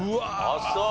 あっそう。